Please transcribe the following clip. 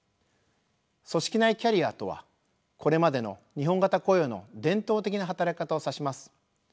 組織内キャリアとはこれまでの日本型雇用の伝統的な働き方を指します。